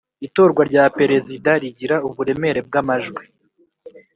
Itorwa rya Perezida rigira uburemere bw ‘amajwi